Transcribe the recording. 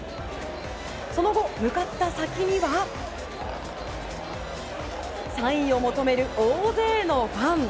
その後、向かった先にはサインを求める大勢のファン。